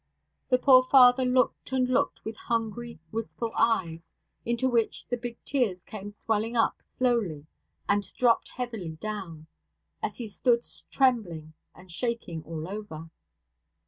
The poor father looked and looked with hungry, wistful eyes, into which the big tears came swelling up slowly and dropped heavily down, as he stood trembling and shaking all over.